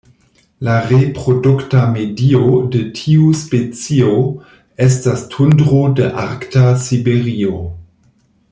La reprodukta medio de tiu specio estas tundro de arkta Siberio.